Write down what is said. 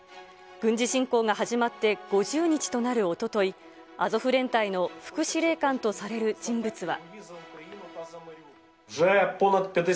軍事侵攻が始まって５０日となるおととい、アゾフ連隊の副司令官とされる人物は。